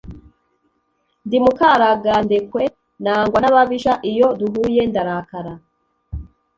Ndi Mukaragandekwe nangwa n'ababisha iyo duhuye ndarakara!